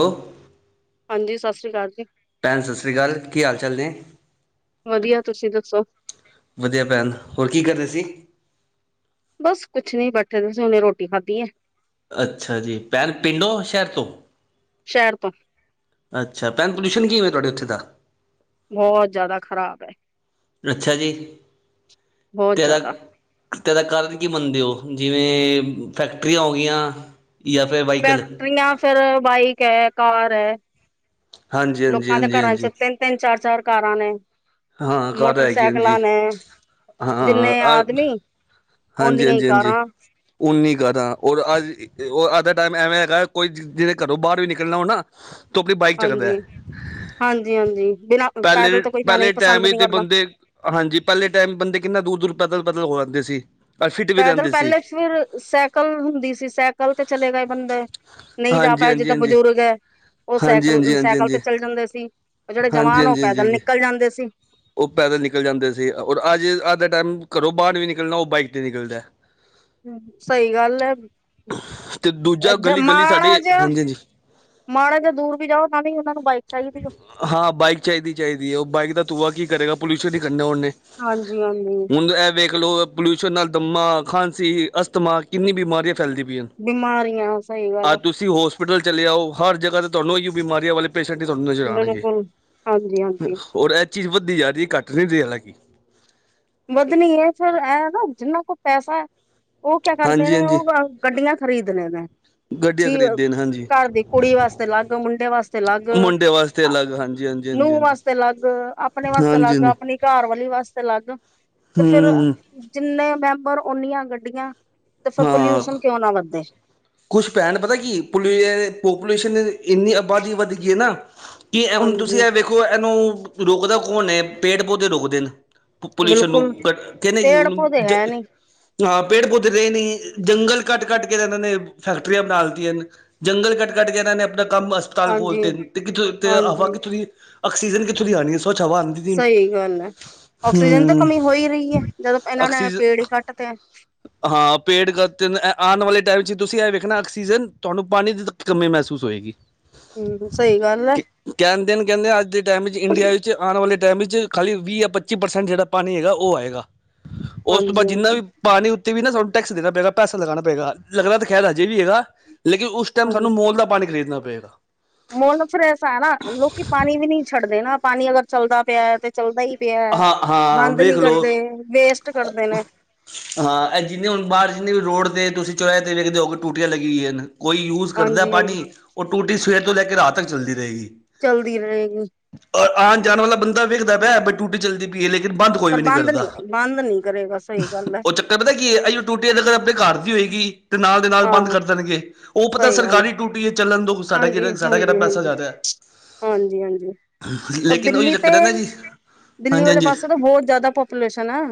ਓ ਹਾਂਜੀ ਸਤਿ ਸ਼੍ਰੀ ਅਕਾਲ ਜੀ। ਭੈਣ ਸਸਰੀ ਕਾਲ ਕੀ ਹਾਲ ਚਾਲ ਨੇ? ਵਧੀਆ ਤੁਸੀਂ ਦੱਸੋ? ਵਧੀਆ ਭੈਣ ਹੋਰ ਕੀ ਕਰਦੇ ਸੀ? ਬਸ ਕੁਛ ਨੀ ਬਾਠੇ ਸੀ ਹੁ ਮਨੇ ਰੋਟੀ ਖਾਧੀ ਐ। ਅੱਛਾ ਜੀ, ਭੈਣ ਪਿੰਡੋਂ, ਸ਼ਹਿਰ ਤੋਂ? ਸ਼ਹਿਰ ਤੋਂ ਅੱਛਾ ਪੈਨ ਪੋਲਿਊਸ਼ਨ ਕੀਵੇ ਤੁਹਾਡੇ ਉੱਥੇ ਦਾ ਬਹੁਤ ਜਿਆਦਾ ਖ਼ਰਾਬ ਅੱਛਾ ਜੀ ਬਹੁਤ ਤੇਦਾ ਜ਼ਿਆਦਾ [unintelligible] ਤੇ ਏਦਾ ਕਾਰਨ ਕੀ ਮੰਨਦੇ ਹੋ ਜਿਵੇਂ ਫੈਕਟਰੀਆਂ ਹੋ ਗੀਆਂ ਯਾ ਫਿਰ ਵ ਫੈਕਟਰੀਆਂ ਫੇਰ ਬਾਈਕ ਐ ਕਾਰ ਐ ਹਾਂਜੀ ਹਾਂਜੀ ਲੋਕਾਂ ਦੇ ਹਾਂਜੀ ਘਰਾਂ ਚ ਹਾਂਜੀ ਤਿੰਨ ਤਿੰਨ ਚਾਰ ਚਾਰ ਕਾਰਾਂ ਨੇ ਹਾਂ ਕਾਰ ਹੈਗੀ ਹਾਂਜੀ ਮੋਟਰਸਾਈਕਲਾਂ ਨੇ ਹਾਂ ਦਿੰਨੇ ਆਦਮੀ ਹਾਂਜੀ ਓਨੀਆਂ ਹੀ ਹਾਂਜੀ ਹਾਂਜੀ ਕਾਰਾਂ ਉਨੀ ਕਾਰਾਂ ਓਰ ਅੱਜ ਅੱਜ ਦਾ ਟਾਈਮ ਐਵੇਂ ਹੈਗਾ ਕੋਈ ਜਿਵੇਂ ਘਰੋ ਬਾਹਰ ਵੀ ਨਿਕਲਣਾ ਹੋ ਨਾ ਤੂੰ ਆਪਣੀ ਬਾਈਕ ਚੱਕਦਾ ਹਾਂਜੀ ਐ ਹਾਂਜੀ ਹਾਂਜੀ ਬਿਨਾਂ ਪਹਿਲੇ ਪੈਦਲ ਤਾਂ ਕੋਈ ਜਾਣਾ ਪਹਿਲੇ ਟਾਈਮ ਪਸੰਦ ਹੀ ਨਹੀਂ ਤੇ ਕਰਦਾ ਬੰਦੇ ਹਾਂਜੀ ਪਹਿਲੇ ਟਾਈਮ ਬੰਦੇ ਕਿੰਨਾ ਦੂਰ ਦੂਰ ਪੈਦਲ ਪਦਲ ਹੋ ਜਾਂਦੇ ਸੀ ਔਰ ਫਿਟ ਵੀ ਪੈਦਲ ਰਹਿੰਦੇ ਸੀ ਪਹਿਲੇ ਚ ਫਿਰ ਸਾਈਕਲ ਹੁੰਦੀ ਸੀ ਸਾਈਕਲ ਤੇ ਚਲੇ ਗਏ ਬੰਦੇ ਨਹੀਂ ਜਾ ਹਾਂਜੀ ਪਾਏ ਹਾਂਜੀ ਜਿੱਦਾਂ ਹਾਂਜੀ ਬਜ਼ੁਰਗ ਐ ਉਹ ਹਾਂਜੀ ਹਾਂਜੀ ਸਾਈਕਲ ਹਾਂਜੀ ਸਾਈਕਲ ਤੇ ਹਾਂਜੀ ਚੱਲ ਜਾਂਦੇ ਸੀ ਉਹ ਜਿਹੜੇ ਹਾਂਜੀ ਜਵਾਨ ਉਹ ਹਾਂਜੀ ਹਾਂਜੀ ਪੈਦਲ ਹਾਂਜੀ ਨਿਕਲ ਜਾਂਦੇ ਸੀ ਉਹ ਪੈਦਲ ਨਿਕਲ ਜਾਂਦੇ ਸੀ ਔਰ ਅੱਜ ਅੱਜ ਦਾ ਟਾਈਮ ਘਰੋਂ ਬਾਹਰ ਵੀ ਨਿਕਲਣਾ ਉਹ ਬਾਈਕ 'ਤੇ ਨਿਕਲਦਾ ਐ [inaudible] ਸਹੀ ਗੱਲ ਐ ਤੇ ਦੂਜਾ [unintelligible] ਗਲੀ ਗਲੀ ਸਾਡੀ ਮਾੜਾ ਜਿਹਾ ਹਾਂਜੀ ਹਾਂਜੀ ਮਾੜਾ ਜਿਹਾ ਦੂਰ ਵੀ ਜਾਓ ਤਾਂ ਵੀ ਉਹਨਾ ਨੂੰ ਬਾਈਕ ਚਾਹੀਦੀ ਐ ਹਾਂ ਬਾਈਕ ਚਾਹੀਦੀ ਚਾਹੀਦੀ ਹੈ ਉਹ ਬਾਈਕ ਦਾ ਤੂਆ ਕੀ ਕਰੇਗਾ ਪੋਲਿਊਸ਼ਨ ਹੀ ਕੰਢੇ ਹੋਨੇ ਹਾਂਜੀ ਹਾਂਜੀ ਹੁਣ ਇਹ ਵੇਖ ਲਓ ਪੋਲਿਊਸ਼ਨ ਨਾਲ ਦੰਮਾ ਖਾਂਸੀ ਅਸਥਮਾ ਕਿੰਨੀ ਬਿਮਾਰੀਆਂ ਫੈਲਦੀ ਪਈਆਂ ਬਿਮਾਰੀਆਂ ਸਹੀ ਗੱਲ ਐ ਤੁ ਹੋਸਪਿਟਲ ਚਲੇ ਆਓ ਹਰ ਜਗ੍ਹ ਤੇ ਤੁਹਾਨੂੰ ਹੀਹੀ ਬਿਮਾਰੀਆਂ ਵਾਲੇ ਪੇ ਤੁਹਾਨੂੰ ਨਜ਼ਰ ਆਣਗੇ ਬਿਲਕੁਲ ਹਾਂਜੀ ਹਾਂਜੀ ਹੋਰ ਐਹ ਚੀਜ਼ ਵੱਧਦੀ ਜਾ ਰਹੀ ਹੈ ਘੱਟ ਨਹੀਂ ਰਹੀ ਹਾਲਾਂਕਿ [unintelligible] ਵਧਨੀ ਹੈ ਫਿਰ ਐ ਨਾ ਜਿੰਨਾ ਕੁ ਪੈਸਾ ਹੈ ਉਹ ਕਿਆ ਕਰਦੇ ਹਾਂਜੀ ਨੇ ਹਾਂਜੀ ਉਹ ਅ ਗੱਡੀਆਂ ਖਰੀਦਣੇ ਨੇ, ਗੱਡੀਆਂ ਕੀ ਖਰੀਦਦੇ ਨੇ ਹਾਂਜੀ ਘਰ ਦੀ ਕੁੜੀ ਵਾਸਤੇ ਅਲੱਗ ਮੁੰਡੇ ਵਾਸਤੇ ਅਲੱਗ ਮੁੰਡੇ ਵਾਸਤੇ ਅਲੱਗ ਹਾਂਜੀ ਹਾਂਜੀ ਹਾਂਜੀ ਨੂੰਹ ਹਾਂਜੀ ਵਾਸਤੇ ਅਲੱਗ ਆਪਣੇ ਵਾਸਤੇ ਹਾਂਜੀ ਅਲੱਗ ਹਾਂਜੀ ਆਪਣੀ ਘਰਵਾਲੀ ਵਾਸਤੇ ਅਲੱਗ ਤੇ ਫੇਿਰ ਹੂੰ ਜਿੰਨੇ ਮੈਂਬਰ ਓਨੀਆਂ ਗੱਡੀਆਂ ਤੇ ਫਿ ਹਾਂ ਪੋਲਿਊਸ਼ਨ ਕਿਉਂ ਨਾ ਵਧੇ ਕੁਛ ਭੈਣ ਪਤਾ ਕੀ [unintelligible] ਪੋਪੂਲੇਸ਼ਨ ਇੰਨੀ ਆਬਾਦੀ ਵਧਗੀ ਹੈ ਨਾ ਕੀ ਹੁਣ ਤੁਸੀਂ ਹਾਂਜੀ ਐਹ ਵੇਖੋ ਇਹਨੂੰ ਰੁਕਦਾ ਕੌਣ ਹੈ ਪੇੜ ਪੌਦੇ ਰੁਕਦੇ ਨੇ ਪੋਲਿਸ਼ਨ ਨੂੰ ਬਿਲਕੁਲ ਕਹਿੰਦੇ ਜੀ ਪੇੜ ਉਹਨੂੰ ਪੌਦੇ ਜ ਹੈ ਨੀ [unintelligible] ਹਾਂ ਪੇੜ ਪੌਦੇੇ ਰਹੇ ਨ [unintelligible] ਜੰਗਲ ਕੱਟ ਕੱਟ ਕੇ ਰਨਾਂ ਨੇ ਫੈਕਟਰੀਆਂ ਬਣਾ ਦਿੱਤੀਆਂ ਨੇ ਜੰਗਲ ਕੱਟ ਕੱਟ ਕੇ ਇਹਨਾਂ ਨੇ ਆਪਣਾ ਕੰਮ ਵ ਹਸਪਤਾਲ ਖੋਲ ਹਾਂਜੀ ਤੇ ਕਿ ਹਵਾ ਹਾਂਜੀ ਕਿੱਥੋਂ ਦੀ ਆਕਸੀਜਨ ਕਿੱਥੋਂ ਦੀ ਆਣੀ ਹੈ ਸਵਛ ਹਵਾ ਸੀ ਸਹੀ ਗੱਲ ਹੈ ਆਕਸੀਜਨ ਤਾਂ ਹਮ ਕਮੀ ਹੋ ਹੀ ਰਹੀ ਹੈ ਜਦੋਂ ਇਹਨਾਂ ਨੇ ਆਕਸੀਜ ਪੇੜ ਹੀ ਕੱਟ ਤੇਆ ਹਾਂ ਪੇੜ ਕ ਤਿੰਨ [unintelligible] ਆਣ ਵਾਲੇ ਟੈਮ ਚ ਤੁਸੀਂ ਐਹ ਵੇਖਣਾ ਆਕਸੀਜਨ ਤੁਹਾਨੂੰ ਪਾਣੀ ਦੀ ਕਮੀ ਮਹਿਸੂਸ ਹੋਏਗੀ ਹਮ ਸਹੀ ਗੱਲ ਐ ਕਹਿੰਦੇ ਨੇ ਕਹਿੰਦੇ ਅੱਜ ਦੇ ਟਾਈਮ ਵਿੱਚ ਇੰਡੀਆ ਵਿੱਚ ਆਉਣ ਵਾਲੇ ਟਾਈਮ ਵਿੱਚ ਖਾਲੀ ਵੀਹ ਜਾਂ ਪੱਚੀ ਪਰਸੈਂਟ ਜਿਹੜਾ ਪਾਣੀ ਹੈਗਾ ਉਹ ਆਏਗਾ ਉਸ ਤੋਂ ਬਾਅਦ ਹਾਂਜੀ ਜਿੰਨਾ ਹਾਂਜੀ ਵੀ ਪਾਣੀ ਉੱਤੇ ਵੀ ਨਾ ਨੂੰ ਟੈਕਸ ਦੇਣਾ ਪਏਗਾ ਪੈਸਾ ਲਗਾਉਣਾ ਪਏਗਾ ਲੱਗਦਾ ਕੈਹਰ ਅਜੇ ਵੀ ਹੈਗਾ ਲੇਕਿਨ ਉਸ ਟਾਈਮ ਸਾਨੂੰ ਮੋਲ ਦਾ ਪਾਣੀ ਖਰੀਦਣਾ ਪਏਗਾ। ਮੁਲ ਫਿਰ ਐਸਾ ਹੈ ਨਾ ਲੋਕੀ ਪਾਣੀ ਵੀ ਨਹੀਂ ਛੱਡਦੇ ਨਾ ਪਾਣੀ ਅਗਰ ਚੱਲਦਾ ਪਿਆ ਤੇ ਚਲਦਾ ਹੀ ਪਿਆ ਹਾਂ ਹਾਂ ਬੰਦ ਵੇਖ ਨੀ ਲਓ ਕਰਦੇ ਵੇਸਟ ਕਰਦੇ ਨੇ ਹਾਂ ਇਹ ਜਿੰਨੇ ਹੁਣ ਬਾਹਰ ਜਿੰਨੇ ਵੀ ਰੋਡ ਤੇ ਤੁਸੀਂ ਚੋ੍ਹ ਤੇ ਵੇਖਦੇ ਹੋ ਕਿ ਟੂਟੀਆਂ ਲੱਗੀਆ ਹਨ। ਕੋਈ ਯੂਜ ਕਰਦਾ ਹਾਂਜੀ ਹਾਂਜੀ ਪਾਣੀ ਉਹ ਟੂਟੀ ਸਵੇਰ ਤੋਂ ਲੈ ਕੇ ਰਾਤ ਤੱਕ ਚੱਲਦੀ ਰਹੇਗੀ। ਚਲਦੀ ਰਹੇਗੀ, ਆਣ ਜਾਣ ਵਾਲਾ ਬੰਦਾ ਵੇਖਦਾ ਪਿਆ ਵੀ ਟੂਟੀ ਚੱਲਦੀ ਪੲੀਆ ਲੇਕਿਨ ਬੰਦ ਕੋਈ ਪਰ ਵੀ ਨਹੀਂ ਬੰਦ ਕਰਦਾ, ਨੀ ਬੰਦ ਨੀ ਕਰੇਗਾ ਸਹੀ ਗੱਲ ਹੈ ਉਹ ਚ ਪਤਾ ਕੀ ਅੱਜ ਟੂਟੀ ਨਗਰ ਆਬਦੇ ਘਰ ਦੀ ਹੋਏਗੀ ਤੇ ਨਾਲ ਦੇ ਨਾਲ ਹਾਂ ਬੰਦ ਕਰ ਦੇਣਗੇ, ਉਹ ਪਤਾ ਸਹੀ ਗੱਲ ਸਰਕਾਰੀ ਟੂਟੀ ਹੈ ਚੱਲਣ ਦੋ ਸਾਡਾ ਕਿਹੜਾ ਸਾਡਾ ਕਿਹੜਾ ਪੈਸਾ ਜਾ ਰਿਹਾ ਆ। ਹਾਂਜੀ-ਹਾਂਜੀ, ਉਹ ਲੇਕਿਨ ਉਹੀ ਦਿੱਲੀ ਤੇ ਚੱਕਰ ਹੈ ਨਾ ਜੀ ਦਿੱਲੀ ਵਾਲੇ ਹਾਂਜੀ-ਹਾਂਜੀ ਪਾਸੇ ਤਾਂ ਬਹੁਤ ਜ਼ਿਆਦਾ ਪਾਪੂਲੇਸ਼ਨ ਆ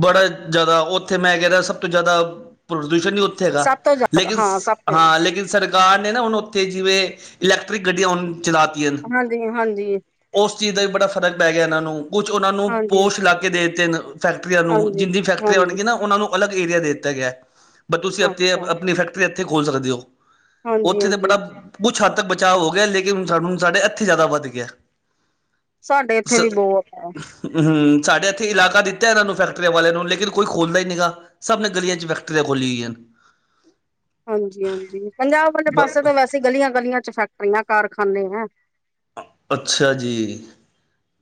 ਬੜਾ ਜ਼ਿਆਦਾ ਉਥੇ ਮੈਂ ਕਹਿ ਰਿਹਾ ਸਭ ਤੋਂ ਜ਼ਿਆਦਾ ਪ੍ਰਦੂਸ਼ਣ ਹੀ ਉਥੇ ਹੈਗਾ ਸਭ ਤੋਂ ਜ਼ਿਆਦਾ ਲੇਕਿਨ ਹਾਂ ਸਭ ਤੋਂ ਜ਼ਿਆਦਾ ਹਾਂ ਲੇਕਿਨ ਸਰੜ ਕਾਰ ਨੇ ਨਾ ਹੁਣ ਉੱਥੇ ਜਿਵੇਂ ਇਲੈਕਟ੍ਰਿਕ ਗੱਡੀਆਂ ਹੁਣ ਚਲਾਤੀਆਂ ਨੇ ਹਾਂਜੀ ਏ, ਹਾਂਜੀ ਏ, ਉਸ ਚੀਜ਼ ਦਾ ਵੀ ਬੜਾ ਫ਼ਰਕ ਪੈ ਗਿਆ ਇਹਨਾਂ ਨੂੰ ਕੁਛ ਉਹਨਾਂ ਨੂੰ ਹਾਂਜੀ ਪੋਸ਼ ਲਾ ਕੇ ਦੇ ਦਿੱਤੇ ਹਨ ਫੈਕਟਰੀਆਂ ਨੂੰ ਹਾਂਜੀ ਜਿਦੀ ਫੈਕਟ ਹਾਂਜੀ [unintelligible] ਨਾ ਉਹਨਾਂ ਨੂੰ ਅਲੱਗ ਏਰੀਆ ਦੇ ਦਿੱਤਾ ਗਿਆ, ਬ ਤੁਸੀਂ ਆਪਣੀ ਅੱਛਾ ਆਪਣੀ ਫੈਕਟਰੀ ਇੱਥੇ ਖੋਲ ਸਕਦੇ ਹੋ ਹਾਂਜੀ ਉੱਥੇ ਤਾਂ ਹਾਂਜੀ ਬੜਾ ਕੁੱਛ ਹੱਦ ਤੱਕ ਬਚਾਅ ਹੋ ਗਿਆ ਲੇਕਿਨ ਸਾਨੂੰ ਸਾਡੇ ਇੱਥੇ ਜਿਆਦਾ ਵੱਧ ਗਿਆ ਸਾਡੇ ਇੱਥੇ ਸ ਵੀ ਬੋਤ ਹੈ ਹੂੰ, ਸਾਡੇ ਇੱਥੇ ਇਲਾਕਾ ਦਿੱਤਾ ਇਹਨਾਂ ਨੂੰ ਫੈਕਟਰੀਆਂ ਵਾਲਿਆਂ ਨੂੰ ਲੇਕਿਨ ਕੋਈ ਖੋਲਦਾ ਹੀ ਨਹੀ ਗਾ ਸਭ ਨੇ ਗਲੀਆਂ ਚ ਫੈਕਟਰੀਆਂ ਖੋਲ੍ਹੀਆਂ ਹਨ। [unintelligible] ਹਾਂਜੀ-ਹਾਂਜੀ, ਪੰਜਾਬ ਵਾਲੇ ਬ ਪਾਸੇ ਤਾਂ ਵੈਸੇ ਗਲੀਆਂ- ਗਲੀਆਂ ਚ ਫੈਕਟਰੀਆਂ ਕਾਰਖਾਨੇ ਹੈਂ। ਅੱਛਾ ਜੀ।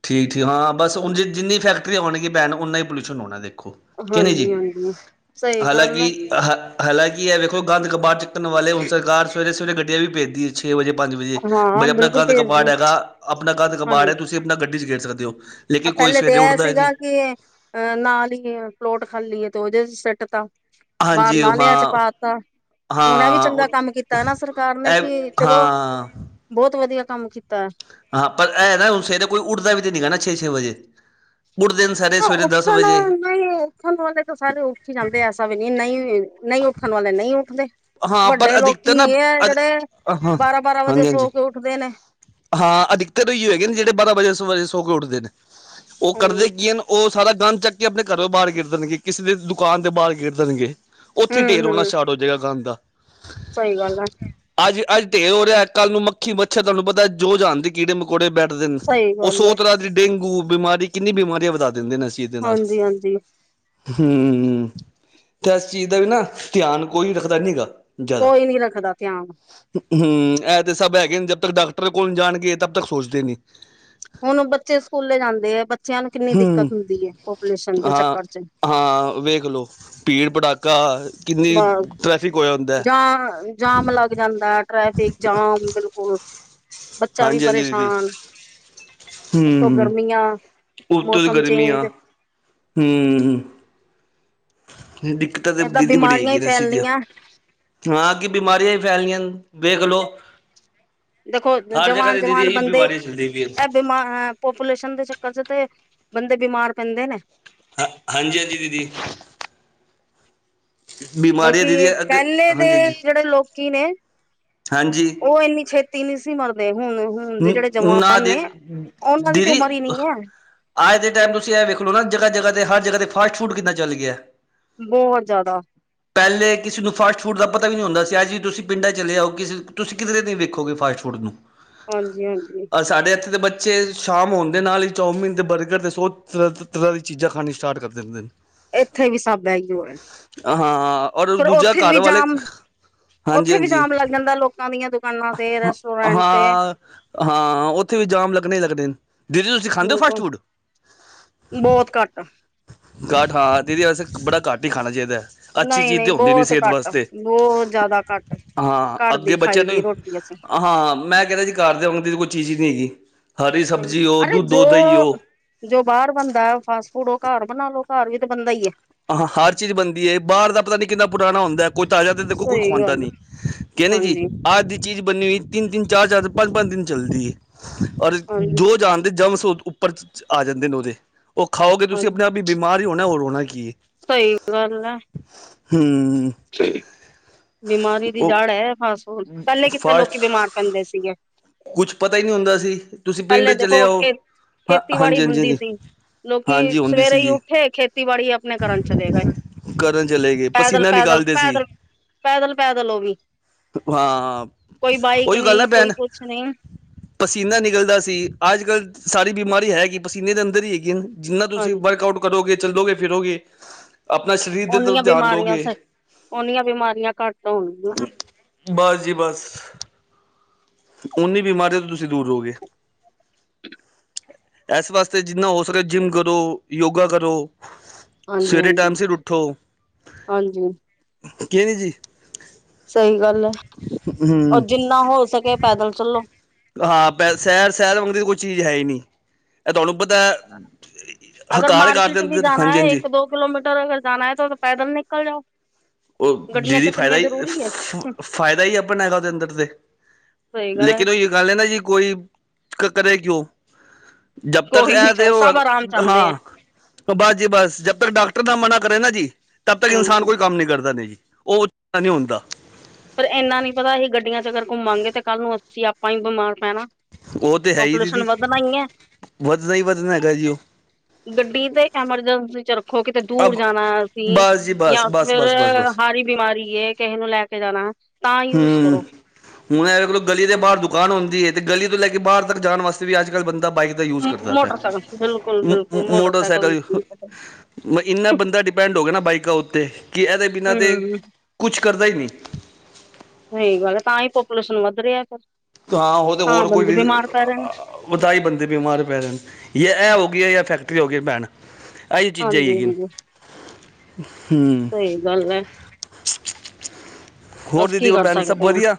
ਠੀਕ, ਠੀਕ ਹਾਂ ਬਸ ਹੁਣ ਜੇ ਜਿੰਨੀ ਫੈਕਟਰੀਆਂ ਹੋਣਗੀਆਂ ਪੈਣ ਓਨਾ ਹੀ ਪੋਲਿਊਸ਼ਨ ਹੋਣਾ ਦੇਖੋ, ਕਿ ਨਹੀਂ ਜੀ ਹਾਂਜੀ-ਹਾਂਜੀ, ਸਹੀ ਗੱਲ ਹੈ। ਹਾਲਾਂਕਿ ਹ ਹਾਲਾਂਕਿ, ਇਹ ਵੇਖੋ ਗੰਦ ਕਬਾੜ ਚੁੱਕਣ ਵਾਲੇ ਹੁਣ ਸਰਕਾਰ ਸਵੇਰੇ ਸਵੇਰੇ ਗੱਡੀਆਂ ਵੀ ਭੇਜਦੀ, ਛੇ ਵਜੇ ਪੰਜ ਵਜੇ, ਹਾਂ ਬਈ ਆਪਣਾ ਬਿਲਕੁਲ ਕੰਧ ਭੇਜਦੀ ਕਪਾੜ ਹਾਂ ਹੈਗਾ ਆਪਣਾ ਕੰਧ ਕਪਾੜ ਹੈ ਤੁਸੀਂ ਤੁਸੀਂ ਆਪਣਾ ਗੱਡੀ ਚ ਗੇਰ ਸਕਦੇ ਹੋ, ਅ ਲੇਕਿਨ ਕੋਈ ਪਹਿਲੇ ਤੇ ਸਵੇਰੇ ਇਹ ਉੱਠਦਾ ਹੀ ਨਹੀਂ ਸੀਗਾ ਕਿ ਅਹ ਨਾਲ ਹੀ ਪਲੋਟ ਖਾਲੀ ਹੈ ਤੇ ਉਹਦੇ ਸਿੱਟ ਤਾ, ਬਾਹਰ ਹਾਂਜੀ ਨਾਲਿਆ ਚ ਹਾਂ ਪਾ ਤਾ, ਹੁਣ ਇਹ ਵੀ ਹਾਂ ਉਹ ਚੰਗਾ ਕੰਮ ਕੀਤਾ ਨਾ ਸਰਕਾਰ ਨੇ ਇਹ ਕਿ ਚਲੋ ਹਾਂ ਬਹੁਤ ਵਧੀਆ ਕੰਮ ਕੀਤਾ। ਹਾਂ ਪਰ ਏਹ ਨਾ ਸਵੇਰੇ ਕੋਈ ਉੱਠਦਾ ਵੀ ਤਾਂ ਨਹੀਂ ਗਾ ਛੇ, ਛੇ ਵਜੇ ਉੱਠ ਦਿਨ ਸਾਰ, ਉੱਠਣ ਨਈ ਉੱਠਣ ਵਾਲੇ ਤਾਂ ਸਾਰੇ ਉੱਠ ਹੀ ਜਾਂਦੇ ਐਸਾ ਵੀ ਨਹੀ, ਨਹੀ ਨਈ ਉੱਠਣ ਵਾਲੇ ਨਈ ਉੱਠਦੇ ਹਾਂ ਪਰ ਵੱਡੇ ਲੋਕੀ ਅਧਿਕਤਰ ਨਾ ਇਹ ਆ ਅ ਜਿਹੜੇ, ਹਾਂ ਬਾਰਾਂ ਬਾਰਾਂ ਵਜੇ ਹਾਂਜੀ ਹਾਂਜੀ ਸੋ ਕੇ ਉੱਠਦੇ ਨੇ ਹਾਂ ਅ ਦਿੱਕਤ ਏਈ ਹੋਗੇ ਨੇ ਜਿਹੜੇ ਬਾਰਾਂ ਵਜੇ ਸ ਵਜੇ ਸੋ ਕੇ ਉੱਠਦੇ ਨੇ ਉਹ ਹਮ ਕਰਦੇ ਕੀ ਹਨ ਉਹ ਸਾਰਾ ਗੰਦ ਚੱਕ ਕੇ ਆਪਣੇ ਘਰੋਂ ਬਾਹਰ ਗਿਰ ਦੇਣਗੇ ਕਿਸੇ ਦੇ ਦੁਕਾਨ ਤੇ ਬਾਹਰ ਗਿਰ ਦੇਣਗੇ। ਉੱਥੇ ਢੇਰ ਹਮ ਹੋਣਾ ਹਮ ਸ਼ਟਾਰਟ ਹੋਜੇਗਾ ਗੰਦ ਦਾ ਸਹੀ ਗੱਲ ਹੈ ਅੱਜ ਅੱਜ ਢੇਰ ਹੋ ਰਿਹਾ ਕੱਲ੍ਹ ਨੂੰ ਮੱਖੀ ਮੱਛਰ ਤੁਹਾਨੂੰ ਪਤਾ ਜੋ ਜਾਣਦੀ ਕੀੜੇ ਮਕੌੜੇ ਬੈਠ ਦਿਨ ਸਹੀ ਉਹ ਗੱਲ ਸੌ ਹੈ ਤਰ੍ਹਾਂ ਦੀ ਡੇਂਗੂ ਬਿਮਾਰੀ ਕਿੰਨੀ ਬਿਮਾਰੀਆਂ ਵਧਾ ਦਿੰਦੇ ਨੇ ਅਸੀਂ ਦੇ ਨਾਲ, ਹਾਂਜੀ ਹਾਂਜੀ ਹੂੰ ਤੇ ਇਸ ਚੀਜ਼ ਦਾ ਵੀ ਨਾ ਧਿਆਨ ਕੋਈ ਰੱਖਦਾ ਨੀ ਹੈਗਾ ਕੋਈ ਨੀ ਰੱਖਦਾ ਧਿਆਨ ਹੂੰ ਇਹ ਤੇ ਸਭ ਹੈਗੇ ਨੇ ਜਬ ਤੱਕ ਡਾਕਟਰ ਕੋਲ ਜਾਣਗੇ ਤਬ ਤੱਕ ਸੋਚਦੇ ਨੀ ਹੁਣ ਬੱਚੇ ਸਕੂਲੇ ਜਾਂਦੇ ਹੈ ਬੱਚਿਆਂ ਨੂੰ ਕਿੰਨੀ ਹੂੰ ਦਿੱਕਤ ਹੁੰਦੀ ਹੈ ਪਪੂਲੇਸ਼ਨ ਦੇ ਹਾਂ ਚੱਕਰ ਚ ਹਾਂ ਵੇਖ ਲੋ ਭੀੜ ਭਟਾਕਾ ਕਿੰਨੀ ਬ ਟਰੈਫਿਕ ਹੋਇਆ ਹੁੰਦਾ ਜਾਂ ਜਾਮ ਲੱਗ ਜਾਂਦਾ ਟ੍ਰੈਫਿਕ ਜਾਮ ਬਿਲਕੁਲ ਬੱਚਾ ਵੀ ਹਾਂਜੀ ਹਾਂਜੀ ਦੀਦੀ ਪਰੇਸ਼ਾਨ ਉਤੋਂ ਗਰਮੀਆਂ ਉਤ ਦੀ ਮੌਸਮ ਗਰਮੀ ਆ ਚੇਂਜ ਹੂੰ ਦਿੱਕਤਾਂ ਤੇ ਏਦਾਂ ਦੀਦੀ ਬੜੀ ਬਿਮਾਰੀਆਂ ਹੀ ਹੈਗੀ ਸੀ ਦੀਆਂ ਫੈਲਣੀਆਂ ਹਾਂ ਕਿ ਬਿਮਾਰੀਆਂ ਹੀ ਫੈਲਣੀਆਂ ਦੇਖ ਲੋ। ਦੇਖੋ ਹਰ ਜਗ੍ਹਾ ਜਵਾਨ ਤੇ ਦੀਦੀ ਜਵਾਨ ਇਹੀ ਬੰਦੇ। ਬਿਮਾਰੀਆਂ ਚੱਲਦੀ ਪਈਆਂ ਬਿਮਾਰ ਪਾਪੂਲੇਸ਼ਨ ਦੇ ਚੱਕਰ ਚ ਤੇ ਬੰਦੇ ਬਿਮਾਰ ਪੈਂਦੇ ਨੇ। ਹਾਂਜੀ ਹਾਂਜੀ ਦੀਦੀ। ਬਿਮਾਰੀਆਂ ਬਲਕਿ ਦੀਦੀ ਅੱਗੇ ਪਹਿਲੇ ਦੇ ਹਾਂਜੀ ਹਾਂਜੀ ਜਿਹੜੇ ਲੋਕੀ ਨੇ, ਹਾਂਜੀ ਉਹ ਇੰਨੀ ਛੇਤੀ। ਨੀ ਸੀ ਮਰਦੇ ਹੁਣ। ਹੁਣ ਦੇ ਜਿਹੜੇ ਹੂੰ ਨਾ ਜਵਾਨ ਦੀ, ਨੇ ਉਹਨਾਂ ਦੀ ਤੇ ਦੀਦੀ। ਉਮਰ ਹੀ ਨੀ ਹੈ ਅੱਜ ਦੇ ਟਾਈਮ ਤੁਸੀਂ ਵੇਖ ਲੋ ਨਾ ਜਗ੍ਹਾ, ਜਗ੍ਹਾ ਤੇ ਹਰ ਜਗ੍ਹਾ ਤੇ ਫਾਸਟ ਫੂਡ ਕਿਦਾਂ ਚੱਲ ਗਿਆ। ਬੋਹਤ ਜ਼ਾਦਾ। ਪਹਿਲੇ ਕਿਸੇ ਨੂੰ ਫਾਸਟ ਫੂਡ ਦਾ ਪਤਾ ਵੀ ਨੀ ਹੁੰਦਾ ਸੀ ਅੱਜ ਵੀ ਤੁਸੀਂ ਪਿੰਡਾਂ ਚਲੇ ਆਓ ਕਿਸੇ। ਤੁਸੀਂ ਕਿਧਰੇ ਨੀ ਵੇਖੋਗੇ ਫਾਸਟ ਫੂਡ ਨੂੰ। ਹਾਂਜੀ, ਹਾਂਜੀ ਸਾਡੇ ਇੱਥੇ ਦੇ ਬੱਚੇ ਸ਼ਾਮ ਹੋਣਦੇ ਨਾਲ ਹੀ ਚੌਮੀਨ ਤੇ ਬਰਗਰ ਤੇ ਸੋ ਤਰ੍ਹਾਂ। ਚੀਜ਼ਾਂ ਖਾਣੀ ਸਟਾਰਟ ਕਰ ਦੇਦੇ ਨੇ। ਇੱਥੇ ਵੀ ਸਭ ਏਈ ਓ ਹੈ। ਹਾਂ ਔਰ ਫਿਰ ਦੂਜਾ ਉੱਥੇ ਘਰ ਵੀ ਵਾਲੇ। ਜਾਮ ਹਾਂਜੀ ਉੱਥੇ ਵੀ ਹਾਂਜੀ ਜਾਮ ਲੱਗ ਜਾਂਦਾ ਲੋਕਾਂ ਦੀਆਂ ਦੁਕਾਨਾਂ ਤੇ ਰੈਸਟੋਰੈਂਟ ਤੇ। ਹਾਂ ਹਾਂ ਉੱਥੇ ਵੀ ਜਾਮ ਲੱਗਣੇ ਹੀ ਲੱਗਣੇ ਨੇ, ਦੀਦੀ ਤੁਸੀਂ ਖਾਂਦੇ ਹੋ ਫਾਸਟ ਬਿਲਕੁਲ ਫੂਡ? ਬਹੁਤ ਘੱਟ। ਘਟ ਹਾਂ ਅਤੇ ਇਹਦੇ ਵੈਸੇ ਥੋੜਾ ਘੱਟ ਹੀ ਖਾਣਾ ਚਾਹੀਦਾ ਹੈ। ਅੱਛੀ ਨਹੀਂ ਚੀਜ਼ ਨਹੀਂ ਤਾਂ ਹੁੰਦੀ ਨੀ ਬਹੁਤ ਸਿਹਤ ਘੱਟ ਵਾਸਤੇ, ਬਹੁਤ ਜ਼ਿਆਦਾ ਘੱਟ ਹਾਂ ਘਰ ਅੱਗੇ ਦੀ ਬੱਚਿਆਂ ਖਾਈ ਦੀ ਨੂੰ। ਰੋਟੀ ਅਸੀਂ ਹਾਂ ਹਾਂ ਮੈਂ ਕਹਿੰਦਾ ਜੀ ਘਰ ਦੇ ਵਾਂਗਦੀ ਤਾਂ ਕੋਈ ਚੀਜ਼ ਹੀ ਨਹੀਂ ਹੈਗੀ, ਹਰੀ ਸਬਜ਼ੀ ਹੋ, ਅਰੇ ਦੁੱਧ ਜੋ ਹੋ ਦਹੀਂ ਹੋ। ਜੋ ਬਾਹਰ ਬਣਦਾ ਫਾਸਟ ਫੂਡ ਉਹ ਘਰ ਬਣਾ ਲੋ ਘਰ ਵੀ ਤਾਂ ਬਣਦਾ ਹੀ ਏ। ਹਾਂ ਹਰ ਚੀਜ਼ ਬਣਦੀ ਹੈ ਬਾਹਰ ਦਾ ਪਤਾ ਨਹੀਂ ਕਿੰਨਾ ਪੁਰਾਣਾ ਹੁੰਦਾ ਕੋਈ ਤਾਜ਼ਾ ਤੇ ਦੇ ਕੋ ਕੋਈ ਸਹੀ ਖੁਉਂਦਾ ਗੱਲ ਹੈ, ਨੀ। ਕਹਿੰਦੇ ਜੀ, ਹਾਂਜੀ ਅੱਜ ਦੀ ਚੀਜ਼ ਬਣੀ ਹੋਈ ਤਿੰਨ -ਤਿੰਨ, ਚਾਰ- ਚਾਰ, ਪੰਜ -ਪੰਜ ਦਿਨ ਚੱਲਦੀ। ਔਰ ਹਾਂਜੀ ਜੋ ਜਹਾਨ ਦੇ ਜਮ ਉਸ ਉੱਪਰ ਆ ਜਾਂਦੇ ਨੇ, ਉਹਦੇ ਉਹ ਖਾਓਗੇ ਤੁਸੀਂ ਹਾਂਜੀ ਆਪਣੇ ਆਪ। ਵੀ ਬਿਮਾਰ ਹੀ ਹੋਣਾ ਹੋਰ ਹੋਣਾ ਕੀ। ਸਹੀ ਗੱਲ ਆ। ਹੂੰ ਸੇ [inaudible] ਬਿਮਾਰੀ ਦੀ ਉਹ ਜੜ੍ਹ ਹੈ, ਫਾਸਟ ਫੂਡ ਪਹਿਲੇ ਕਿੱਥੇ ਫਾਸਟ ਲੋਕੀ ਬਿਮਾਰ ਪੈਂਦੇ ਸੀਗੇ। ਕੁਛ ਪਤਾ ਹੀ ਨਹੀਂ ਹੁੰਦਾ ਸੀ, ਤੁਸੀਂ ਪਿੰਡ ਪਹਿਲੇ ਚਲੇ ਦੇਖੋ ਆਓ ਖੇ ਹਾਂ, ਹਾਂਜੀ, ਖੇਤੀਬਾੜੀ ਹਾਂਜੀ, ਹੁੰਦੀ ਹਾਂਜੀ। ਸੀ ਲੋਕੀ ਹਾਂਜੀ ਹੁੰਦੀ ਸਵੇਰੇ ਸੀ ਹੀ ਜੀ ਉੱਠੇ ਖੇਤੀਬਾੜੀ ਆਪਣੇ ਕਰਨ ਚਲੇ ਗਏ। ਕਰਨ ਚਲੇ ਗਏ ਪੈਦਲ, ਪਸੀਨਾ ਪੈਦਲ, ਨਿਕਾਲਦੇ ਸੀ ਪੈਦਲ, ਪੈਦਲ ਲ ਪੈਦਲ ਹੋ ਵੀ ਹਾਂ ਕੋਈ ਬਾਈਕ ਉਹੀ ਗੱਲ ਨਾ ਨੀ ਕੋਈ ਭੈਣ ਕੁਛ ਨੀਂ। ਪਸੀਨਾ ਨਿਕਲਦਾ ਸੀ, ਅੱਜ ਕੱਲ੍ਹ ਸਾਰੀ ਬਿਮਾਰੀ ਹੈਗੀ ਪਸੀਨੇ ਦੇ ਅੰਦਰ ਹੀ ਹੈਗੀ। ਜਿਨਾ ਤੁਸੀਂ ਹਾਂਜੀ ਵਰਕ-ਆਊਟ ਕਰੋਗੇ ਚੱਲੋਗੇ ਫਿਰੋਗੇ ਆਪਣਾ ਸਰੀਰ ਦੇ ਤਰਫ ਓਨੀਆਂ ਧਿਆਨ ਬਿਮਾਰੀਆਂ ਦਉਗੇ। ਸ ਓਨੀਆਂ ਬਿਮਾਰੀਆਂ ਘੱਟ ਹੋਣਗੀਆਂ ਬਸ ਜੀ ਬਸ। ਉਨੀ ਬਿਮਾਰੀਆਂ ਤੋਂ ਤੁਸੀਂ ਦੂਰ ਹੋਗੇ। ਐਸ ਵਾਸਤੇ ਜਿੰਨਾ ਹੋ ਸਕੇ ਜਿੰਮ ਕਰੋ, ਯੋਗਾ ਕਰੋ। ਹਾਂਜੀ ਸਵੇਰੇ ਹਾਂਜੀ ਟੈਮ ਸਿਰ ਉੱਠੋ। ਹਾਂਜੀ ਕਿ ਨੀ ਜੀ। ਸਹੀ ਗੱਲ ਐ, ਔਰ ਹੂੰ ਜਿੰਨਾ ਹੋ ਸਕੇ ਪੈਦਲ ਚਲੋ। ਹਾ, ਪੈ ਸੈਰ ਸੈਰ ਵਾਂਗਦੀ ਦੀ ਕੋਈ ਚੀਜ਼ ਹੈ ਈ ਨੀ। ਐਹ ਤੁਹਾਨੂੰ ਬਤ ਤਾਂ ਅਗਰ ਹੰਕਾਰ ਕਰ ਮਾਰਕੀਟ ਵੀ ਦੇਣ, ਜਾਣਾ ਹੈ ਹਾਂਜੀ-ਹਾਂਜੀ। ਇੱਕ ਦੋ ਕਿਲੋਮੀਟਰ ਅਗਰ ਜਾਣਾ ਹੈ ਤੋ ਫਿਰ ਪੈਦਲ ਨਿਕਲ ਜਾਓ। ਉਹ ਗੱਡੀਆਂ ਦੀਦੀ ਫਾਇਦਾ ਚੱਕਣੀਆਂ ਈ ਜ਼ਰੂਰੀ ਹੈ ਫਾਇਦਾ ਈ ਅਪਣਾ ਹੈਗਾ ਓਹਦੇ ਅੰਦਰ ਤੇ। ਸਹੀ ਗੱਲ। ਹੈ ਲੇਕਿਨ ਓਈਓ ਗੱਲ ਏ ਨਾ ਜੀ ਕੋਈ ਕਰੇ ਕਿਉ। ਜਬ ਤੱਕ ਕੋਈ ਨੀ ਐ ਚ ਤੇ ਸਭ ਆਰਾਮ ਉਹ ਚਾਹੁੰਦੇ ਆ ਹਾਂ। ਔ ਬਸ ਜੀ ਬਸ ਜਬ ਤੱਕ ਡਾਕਟਰ ਦਾ ਮਨਾ ਕਰੇ ਨਾ ਜੀ, ਤਬ ਤੱਕ ਇਨਸਾਨ ਹਾਂਜੀ ਕੋਈ ਕੰਮ ਨੀ ਕਰ ਦਾ ਨੀ ਓਹ ਚੰਗਾ ਨੀ ਹੁੰਦਾ। ਪਰ ਏਨਾ ਨੀ ਪਤਾ ਅਸੀ ਗੱਡੀਆਂ ਚ ਅਗਰ ਘੁੰਮਾਂਗੇ ਤੇ ਕੱਲ੍ਹ ਨੂੰ ਅਸੀਂ ਅਪਾਂ ਈ ਬਿਮਾਰ ਪੈਣਾ, ਔ ਪੌਲੂਸ਼ਨ ਵੱਧਣਾ ਹੀ ਏ। ਵਧਦਾ ਹੀ ਵਧਣਾ ਹੈਗਾ ਜੀ ਓ। ਗੱਡੀ ਤੇ ਇਕ ਐਮਰਜੈਂਸੀ ਚ ਰੱਖੋ ਖੋ ਕਿਤੇ ਦੂਰ ਅਬ ਜਾਣਾ ਅਸੀਂ, ਬਸ ਜੀ ਯਾ ਬਸ ਬਸ ਫਿਰ ਬਸ ਬਸ ਬਸ ਹਾਰੀ ਬਿਮਾਰੀ ਏ, ਕਿਹੇ ਨੂੰ ਲੈ ਕ ਕੇ ਜਾਣਾ। ਤਾਂ ਹੂੰ। ਯੂਜ ਕਰੋ ਹੁਣ ਐ ਵੇਖ ਲੋ ਗਲੀ ਦੇ ਬਾਹਰ ਦੁਕਾਨ ਹੂੰਦੀ ਏ, ਤੇ ਗਲੀ ਤੋਂ ਲੈ ਕੇ ਬਾਹਰ ਤੱਕ ਜਾਣ ਵਾਸਤੇ ਵੀ ਅੱਜ-ਕੱਲ ਬੰਦਾ ਬਾਈਕ ਦਾ ਈ ਯੂਜ ਕਰਦਾ ਮੋਟਰਸਾਈਕਲ ਬਿਲਕੁਲ ਪਿਆ ਬਿਲਕੁਲ ਮੋਟਰਸਾਈਕਲ ਦਾ ਇਨਾ ਬੰਦਾ ਡੀ ਡੀਪੈੰਡ ਹੋ ਗਿਐ ਨਾ ਬਾਈਕਾਂ ਉੱਤੇ ਕਿ ਐਦੇ ਬਿਨਾਂ ਤੇ ਹਮ ਕੁਛ ਕਰਦਾ ਈ ਨੀ। ਸਹੀ ਗੱਲ ਐ, ਤਾਂਈ ਪਾਪੂਲੇਸ਼ਨ ਵੱਧ ਰਿਐ ਫੇਰ। ਤੇ ਹਾਂ ਉਹਦੇ ਹੋਰ ਕੋਈ ਰੀਜਨ ਰਹੇ ਨੇ ਔ ਤਾਈ ਬੰਦੇ ਬਿਮਾਰ ਪੈ ਰਹਿਣ ਯਾ ਐ ਹੋ ਗਿਆ ਯਾ ਫੈਕਟਰੀ ਹੋ ਗਈ ਭੈਣ। ਆਈਓ ਚੀਜ਼ਾਂ ਹਾਂਜੀ ਹੈਗੀਆਂ, ਹਾਂਜੀ ਹੂੰ। ਨਾਲੇ ਰਹਿਣ ਹੋਰ ਬਸ ਦੀਦੀ ਕੀ ਹੋਰ ਕਰ ਭੈਣ ਸਭ ਸਕਦੇ ਹਾਂ ਵਧੀਆ।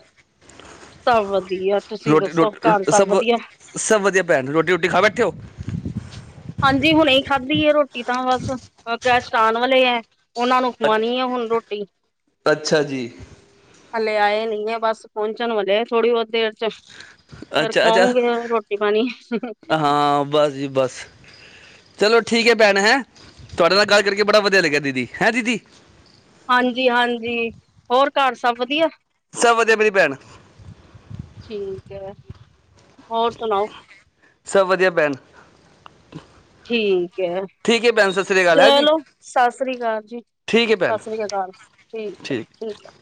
ਸਭ ਵਧੀਆ ਤੁਸੀਂ ਰੋਟੀ ਦੱਸੋ ਰੋਟ ਘਰ ਰੋ ਸਭ ਵਧੀਆ ਸਭ ਵਧੀਆ ਭੈਣ, ਰੋਟੀ-ਰੂਟੀ ਖਾ ਬੈਠੇ ਔ? ਹਾਂਜੀ, ਹੁਣੇ ਈ ਖਾਧੀ ਐ ਰੋਟੀ ਤਾਂ ਬਸ ਅ ਗੈਸਟ ਆਣ ਵਾਲੇ ਐ। ਓਨਾਂ ਨੂੰ ਖਵਾਣੀ ਏ, ਹੁਣ ਰੋਟੀ। ਅੱਛਾ ਜੀ ਹਲੇ ਆਏ ਨੀਗੇ, ਬਸ ਪੋੰਚਣ ਵਾਲੇ ਐ ਥੋੜੀ-ਬੋਤ ਦੇਰ ਚ। ਫੇਰ ਅੱਛਾ ਅੱਛਾ ਖਵਾਉਂਗੇ ਉਹਨਾਂ ਨੂੰ ਰੋਟੀ-ਪਾਣੀ। ਹਾਂ ਬਸ ਜੀ ਬਸ। ਚਲੋ ਠੀਕ ਏ ਭੈਣ ਹੈਂ। ਤੁਆਡੇ ਨਾਲ ਗੱਲ ਕਰਕੇ ਬੜਾ ਵਧੀਆ ਲੱਗਿਆ ਦੀਦੀ, ਹੈਂ ਦੀਦੀ। ਹਾਂਜੀ-ਹਾਂਜੀ, ਹੋਰ ਘਰ ਸਭ ਵਧੀਆ? ਸਬ ਵਧੀਆ ਮੇਰੀ ਭੈਣ। ਠੀਕ ਐ, ਹੋਰ ਸੁਣਾਓ? ਸਬ ਵਧੀਆ ਭੈਣ। ਠੀਕ ਐ। ਠੀਕ ਹੈ ਭੈਣ ਸਤਿ ਸ਼੍ਰੀ ਅਕਾਲ ਹੈ ਜੀ ਚਲੋ, ਸਤਿ ਸ੍ਰੀ ਅਕਾਲ ਜੀ ਠੀਕ ਹੈ ਭੈਣ ਸਤਿ ਸ੍ਰੀ ਅਕਾਲ, ਠੀਕ ਐ ਠੀਕ ਐ।